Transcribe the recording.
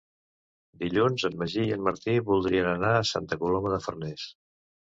Dilluns en Magí i en Martí voldrien anar a Santa Coloma de Farners.